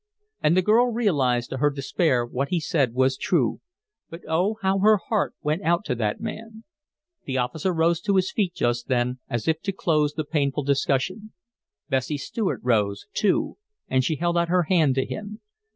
And the girl realized to her despair what he said was true; but oh! how her heart went out to that man! The officer rose to his feet just then, as if to close the painful discussion. Bessie Stuart rose, too, and she held out her hand to him.